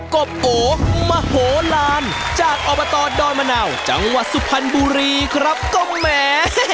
กบโอมโหลานจากอบตดอนมะนาวจังหวัดสุพรรณบุรีครับก็แหม